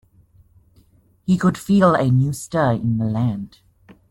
He could feel a new stir in the land.